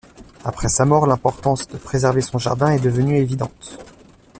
Après sa mort, l'importance de préserver son jardin est devenue évidente.